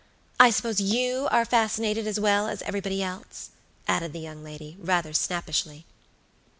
I suppose you are fascinated as well as everybody else?" added the young lady, rather snappishly.